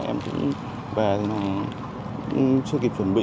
em cũng về thì mà chưa kịp chuẩn bị